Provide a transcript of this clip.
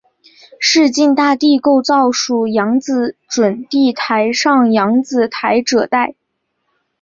市境大地构造属扬子准地台上扬子台褶带。